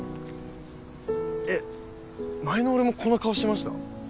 えっ前の俺もこの顔してました？